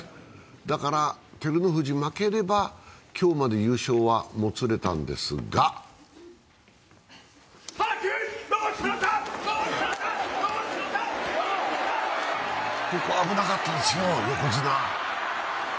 だから照ノ富士負ければ、今日まで優勝はもつれたんですがここ、危なかったですよね、横綱。